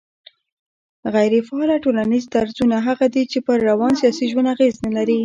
غيري فعاله ټولنيز درځونه هغه دي چي پر روان سياسي ژوند اغېز نه لري